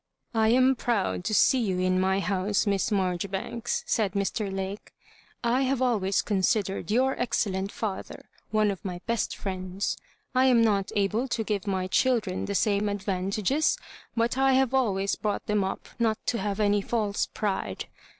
" I am proud to see you in my house. Miss Mar joribanks," said Mr. Lake " I have always con sidered your excellent father one of my best friends. I am not able to give my children the same advan tages, but I have always brought them up not to have any false pride.